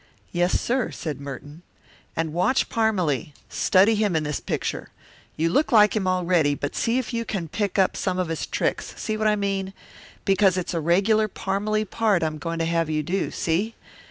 "Yes, sir," said Merton. "And watch Parmalee. Study him in this picture. You look like him already, but see if you can pick up some of his tricks, see what I mean? Because it's a regular Parmalee part I'm going to have you do, see?